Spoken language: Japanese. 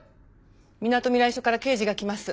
みなとみらい署から刑事が来ます。